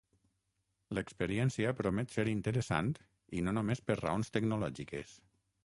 L'experiència promet ser interessant i no només per raons tecnològiques.